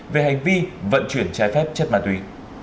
về hành vi vận chuyển trái phép chất ma túy